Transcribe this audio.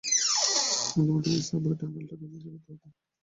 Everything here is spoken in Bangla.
কিন্তু আমাদের এই সাবওয়ে টানেলটা খুঁজে দেখতে হবে।